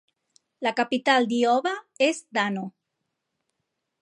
La capital d'Ioba és Dano.